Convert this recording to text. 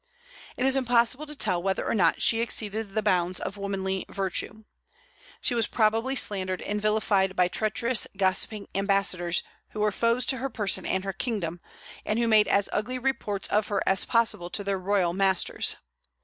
It is impossible to tell whether or not she exceeded the bounds of womanly virtue. She was probably slandered and vilified by treacherous, gossiping ambassadors, who were foes to her person and her kingdom, and who made as ugly reports of her as possible to their royal masters.